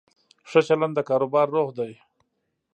ښه چلند د کاروبار روح دی.